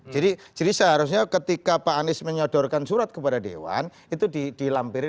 jadi seharusnya ketika pak hanis menyodorkan surat kepada dewan itu dilampirin